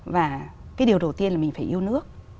và cái điều đầu tiên là mình phải yêu nước